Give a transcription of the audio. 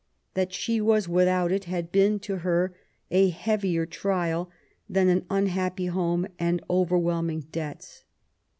That she was without it had been to her a heavier trial than an unhappy home and overwhelming debts.